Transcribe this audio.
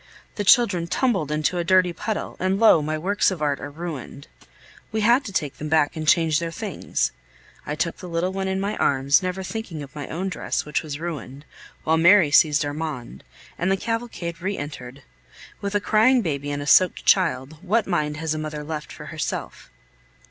The children tumbled into a dirty puddle, and lo! my works of art are ruined! We had to take them back and change their things. I took the little one in my arms, never thinking of my own dress, which was ruined, while Mary seized Armand, and the cavalcade re entered. With a crying baby and a soaked child, what mind has a mother left for herself?